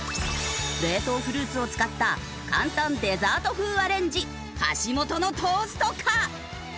冷凍フルーツを使った簡単デザート風アレンジ橋本のトーストか？